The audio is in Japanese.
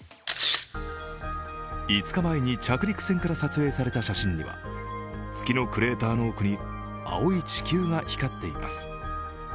５日前に着陸船から撮影された写真では月のクレーターの奥に青い地球が光っています。